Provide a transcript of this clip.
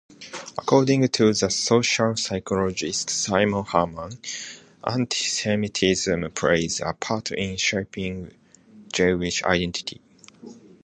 According to the social-psychologist Simon Herman, antisemitism plays a part in shaping Jewish identity.